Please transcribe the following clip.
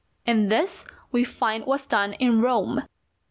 And this we find was done in Rome.